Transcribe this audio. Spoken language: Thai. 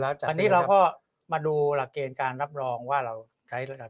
แล้วจากนี้เราพอมาดูหลักเกณฑ์การรับรองว่าเราใช้หลัก